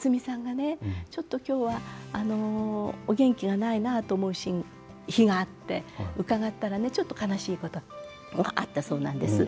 今日はちょっとお元気がないなと思う日があって伺ったらちょっと悲しいことがあったそうなんです。